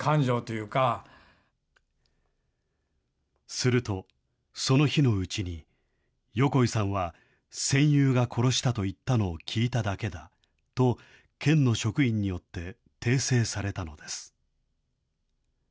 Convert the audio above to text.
すると、その日のうちに、横井さんは戦友が殺したと言ったのを聞いただけだと、県の職員によって訂正されたのです。